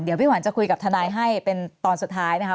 เดี๋ยวพี่หวันจะคุยกับทนายให้เป็นตอนสุดท้ายนะคะ